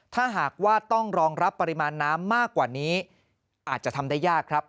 ถ้าหากว่าต้องรองรับปริมาณน้ำมากกว่านี้อาจจะทำได้ยากครับ